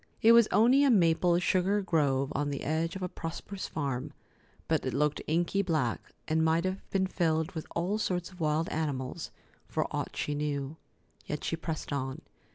It was only a maple sugar grove on the edge of a prosperous farm, but it looked inky black, and might have been filled with all sorts of wild animals, for aught she knew. Yet she pressed on.